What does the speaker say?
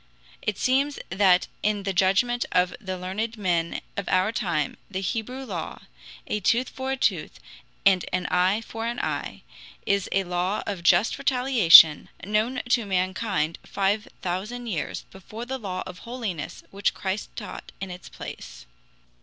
It seems that in the judgment of the learned men of our time the Hebrew law a tooth for a tooth, and an eye for an eye is a law of just retaliation, known to mankind five thousand years before the law of holiness which Christ taught in its place.